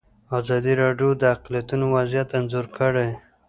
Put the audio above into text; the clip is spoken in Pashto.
ازادي راډیو د اقلیتونه وضعیت انځور کړی.